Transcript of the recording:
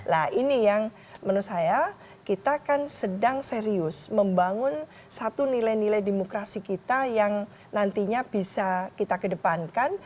nah ini yang menurut saya kita kan sedang serius membangun satu nilai nilai demokrasi kita yang nantinya bisa kita kedepankan